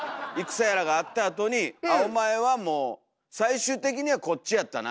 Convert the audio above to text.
戦やらがあったあとに「お前はもう最終的にはこっちやったな」。